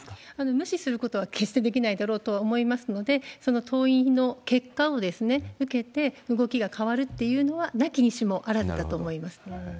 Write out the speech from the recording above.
無視することは決してできないだろうと思いますので、その党員の結果を受けて、動きが変わるっていうのはなきにしもあらずだと思いますね。